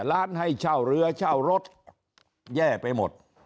ร้านให้เช่าเรือเช่ารถแย่ไปหมด